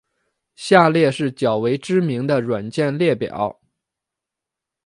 下列是较为知名的软件列表。